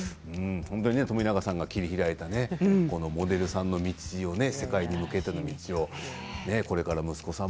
冨永さんが切り開いたこのモデルさんの道を世界に向けての道をこれから息子さんも